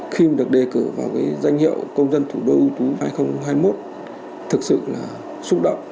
khi được đề cử vào danh hiệu công dân thủ đô ưu tú hai nghìn hai mươi một thực sự là xúc động